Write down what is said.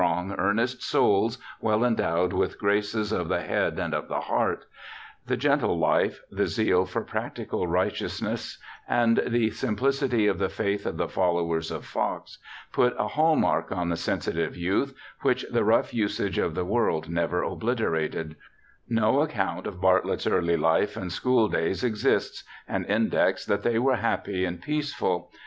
ELISHA BARTLETT 109 life, the zeal for practical righteousness, and the sim plicity of the faith of the followers of Fox, put a hall mark on the sensitive youth which the rough usage of the world never obliterated. No account of Bartlett's early life and school days exists — an index that they were happy and peaceful.